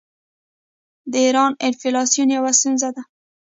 د ایران انفلاسیون یوه ستونزه ده.